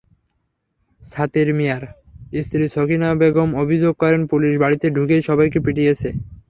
ছাতির মিয়ার স্ত্রী সখিনা বেগম অভিযোগ করেন, পুলিশ বাড়িতে ঢুকেই সবাইকে পিটিয়েছে।